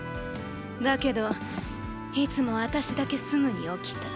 だけどいつもあたしだけすぐに起きた。